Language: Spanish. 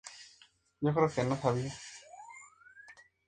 As, y el Pro en la Caba.